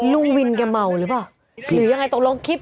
ลุงวินแกเมาหรือเปล่าหรือยังไงตกลงคลิป